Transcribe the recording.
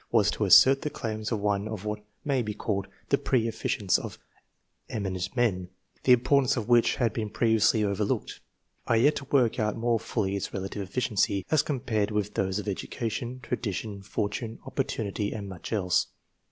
vi PREFACE was to assert the claims of one of what may be called the " pre efficients "^ of eminent men, the importance of which had been previously over looked ; and I had yet to work out more fully its relative efficacy, as compared with those of education, tradition, fortune, opportunity, and much else.